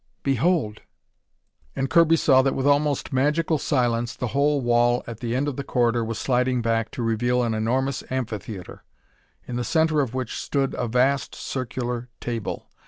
Behold!" And Kirby saw that with almost magical silence the whole wall at the end of the corridor was sliding back to reveal an enormous amphitheatre in the center of which stood a vast circular table.